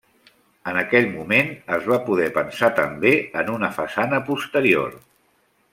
En aquell moment es va poder pensar també en una façana posterior.